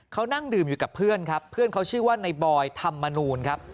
เขานั่งดื่มอยู่กับเพื่อนครับเพื่อนเขาชื่อว่าในบอยธรรมนูลครับ